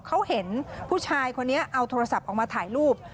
เขาเห็นผู้ชายคนนี้เอาโทรศัพท์ออกมาถ่ายรูป